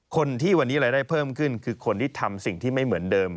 คนที่วันนี้รายได้เพิ่มขึ้นคือคนที่ทำสิ่งที่ไม่เหมือนเดิม